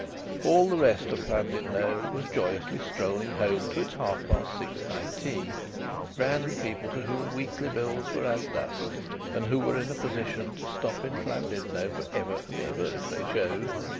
All the rest of Llandudno was joyously strolling home to its half past six high tea grand people to whom weekly bills were as dust and who were in a position to stop in Llandudno for ever and ever, if they chose!